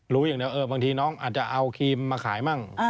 รู้อย่างเดียวบางทีน้องอาจจะเอาครีมมาขายมั่ง